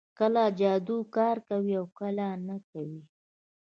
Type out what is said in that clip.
کله جادو کار کوي او کله نه کوي